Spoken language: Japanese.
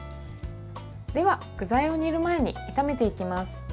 では、具材を煮る前に炒めていきます。